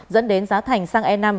dẫn đến giá thành xăng e năm